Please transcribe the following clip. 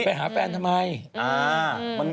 ไปหาแฟนทำไม